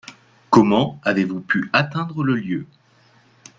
Comment avez-vous pu atteindre le lieu ?